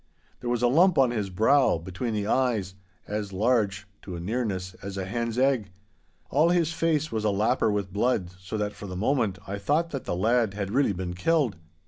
There was a lump on his brow, between the eyes, as large (to a nearness) as a hen's egg. All his face was a lapper with blood, so that for the moment I thought that the lad had really been killed.